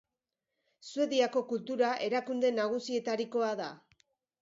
Suediako kultura erakunde nagusietarikoa da.